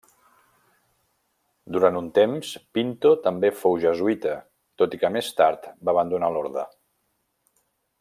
Durant un temps Pinto també fou jesuïta, tot i que més tard va abandonar l'orde.